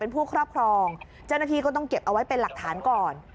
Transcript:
ผู้ครอบครองเจ้าหน้าที่ก็ต้องเก็บเอาไว้เป็นหลักฐานก่อน